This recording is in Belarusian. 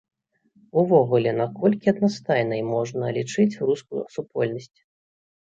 Увогуле, наколькі аднастайнай можна лічыць рускую супольнасць?